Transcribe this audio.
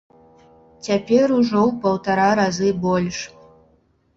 Цяпер ужо ў паўтара разы больш!